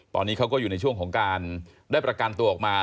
ตอนนี้เขาก็อยู่ในช่วงของการได้ประกันตัวออกมา